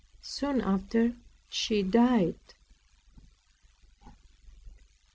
Soon after she died.